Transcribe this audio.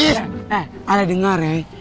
eh ali dengar ya